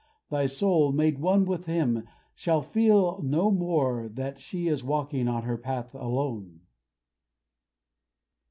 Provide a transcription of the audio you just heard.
Thy soul, made one with him, shall feel no more That she is walking on her path alone.